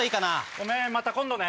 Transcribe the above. ごめんまた今度ね。